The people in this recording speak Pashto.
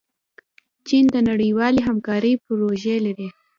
چین د نړیوالې همکارۍ پروژې لري.